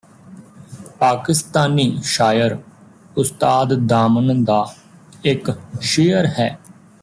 ਪਾਕਿਸਤਾਨੀ ਸ਼ਾਇਰ ਉਸਤਾਦ ਦਾਮਨ ਦਾ ਇਕ ਸ਼ੇਅਰ ਹੈ